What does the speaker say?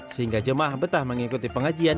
sehingga jemaah betah mengikuti pengajian